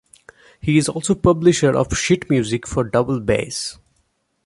He is also a publisher of sheet music for double bass.